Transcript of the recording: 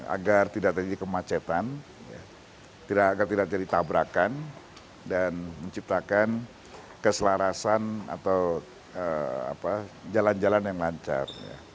agar tidak terjadi kemacetan agar tidak jadi tabrakan dan menciptakan keselarasan atau jalan jalan yang lancar